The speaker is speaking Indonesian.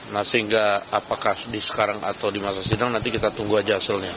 nah sehingga apakah di sekarang atau di masa sidang nanti kita tunggu aja hasilnya